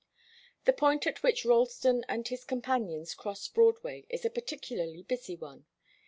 The point at which Ralston and his companions crossed Broadway is a particularly busy one.